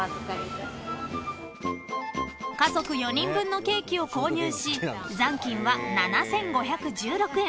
［家族４人分のケーキを購入し残金は７，５１６円］